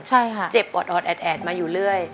เจ็บออดออดแอดมาอยู่เรื่อย